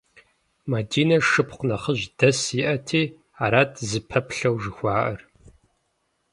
Мадинэ шыпхъу нэхъыжь дэс иӏэти арат зыпэплъэу жыхуаӏэр.